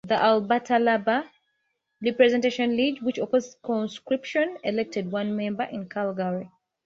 The Alberta Labor Representation League, which opposed conscription, elected one member in Calgary.